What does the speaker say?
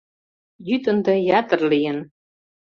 Йӱд ынде ятыр лийын.